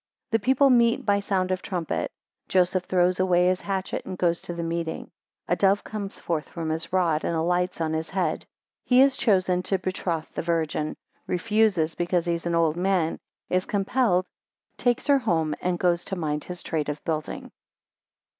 7 The people meet by sound of trumpet. 8 Joseph throws away his hatchet, and goes to the meeting. 11 A dove comes forth from his rod, and alights on his head. 12 He is chosen to betroth the Virgin, 13 refuses because he is an old man, 14 is compelled, 16 takes her home, and goes to mind his trade of building.